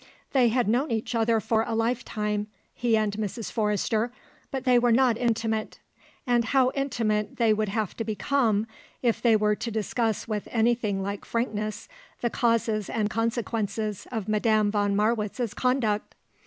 They had known each other for a life time, he and Mrs. Forrester, but they were not intimate; and how intimate they would have to become if they were to discuss with anything like frankness the causes and consequences of Madame von Marwitz's conduct!